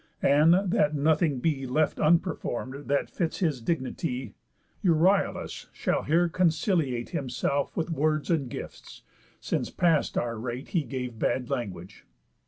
And, that nothing be Left unperform'd that fits his dignity, Euryalus shall here conciliate Himself with words and gifts, since past our rate He gave bad language."